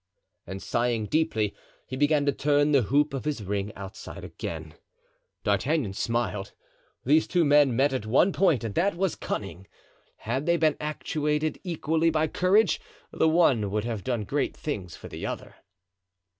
and sighing deeply he began to turn the hoop of his ring outside again. D'Artagnan smiled. These two men met at one point and that was, cunning; had they been actuated equally by courage, the one would have done great things for the other.